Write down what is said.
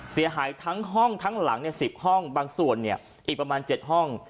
เสียหายทั้งห้องทั้งหลังเนี้ยสิบห้องบางส่วนเนี้ยอีกประมาณเจ็ดห้อง